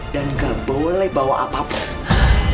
dan gak boleh bawa apapun